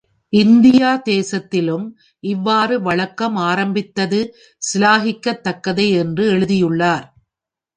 India தேசத்திலும் இவ்வாறு வழக்கம் ஆரம்பித்தது சிலாகிக்கக்தக்கதே என்று எழுதியுள்ளார்.